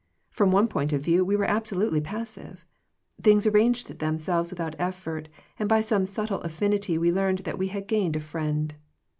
From one point of view we were absolutely passive. Things arranged themselves without effort, and by some subtle affinity we learned that we had gained a friend.